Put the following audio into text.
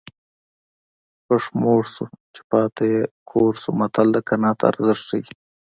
پښ موړ شو چې پاته یې کور شو متل د قناعت ارزښت ښيي